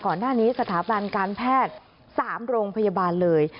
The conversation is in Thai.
ก่อนหน้านี้สถาบันการแพทย์๓โรงพยาบาลเลย